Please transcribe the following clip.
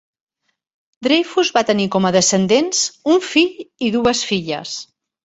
Dreyfuss va tenir com a descendents un fill i dues filles.